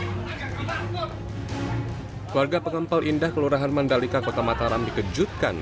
keluarga pengempel indah kelurahan mandalika kota mataram dikejutkan